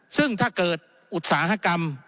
ซึ่งถ้าเกิดอุตสาหกรรม